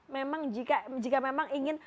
memang jika memang ingin benar benar memutuskan